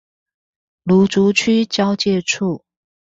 蘆竹區交界處